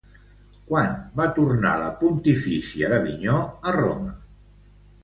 Quan va tornar la pontifícia d'Avinyó a Roma?